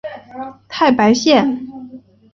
太白线